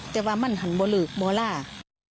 จะว่ามั่นก็หันบอลลึกบอกมะลาก